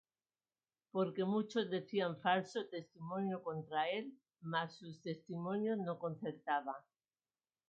Porque muchos decían falso testimonio contra él; mas sus testimonios no concertaban.